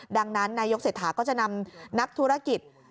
ดังนั้นนายกเศรษฐาก็จะนำนักธุรกิจ